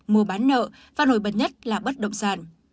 mua bán nợ và nổi bật nhất là bất động sản